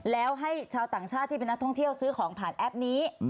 แล้วให้ชาวต่างชาติที่เป็นนักท่องเที่ยวซื้อของผ่านแอปนี้